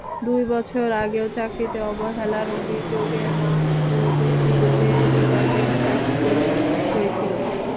দুই বছর আগেও চাকরিতে অবহেলার অভিযোগে মাহবুবের বিরুদ্ধে বিভাগীয় শাস্তি হয়েছিল।